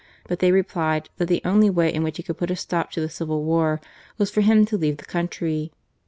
But they replied that the only way in which he could put a stop to the Civil War was for him to leave the country.